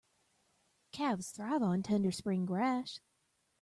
Calves thrive on tender spring grass.